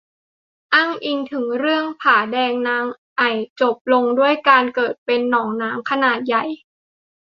อ้างอิงถึงเรื่องผาแดงนางไอ่จบลงด้วยการเกิดเป็นหนองน้ำขนาดใหญ่